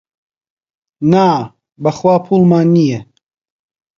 نا بەخوا پووڵمان نییە.